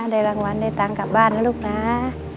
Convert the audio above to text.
ได้รางวัลได้ตังค์กลับบ้านนะลูกนะ